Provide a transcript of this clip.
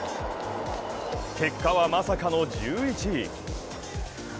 結果はまさかの１１位。